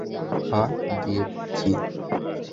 হ্যাঁঁ, দিয়েছি।